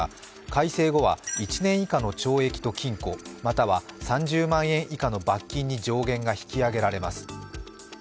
改正後は１年以下の懲役と禁錮、または３０万円以下の罰金に上限が引き上げられます。